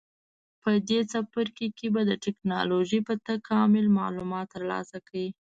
په دې څپرکي کې به د ټېکنالوجۍ په تکامل معلومات ترلاسه کړئ.